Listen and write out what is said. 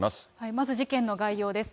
まず事件の概要です。